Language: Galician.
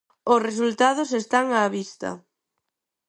Os resultados están á vista.